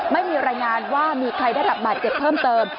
ไม่มีรายงานว่ามีใครได้รับบาดเจ็บเพิ่มเติม